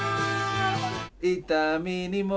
「痛みにも」